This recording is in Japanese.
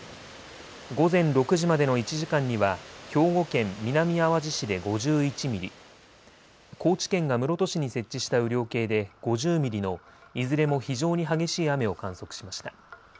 午前６時までの１時間には兵庫県南あわじ市で５１ミリ、高知県が室戸市に設置した雨量計で５０ミリのいずれも非常に激しい雨を観測しました。